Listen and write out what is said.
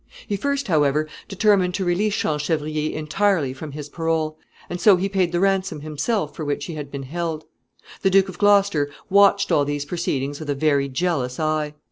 He first, however, determined to release Champchevrier entirely from his parole, and so he paid the ransom himself for which he had been held. The Duke of Gloucester watched all these proceedings with a very jealous eye.